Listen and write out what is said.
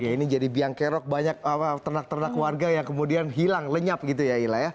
ya ini jadi biang kerok banyak ternak ternak warga yang kemudian hilang lenyap gitu ya ila ya